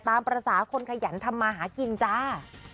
ตามภาษาคนขยันทำมาหากินจ้า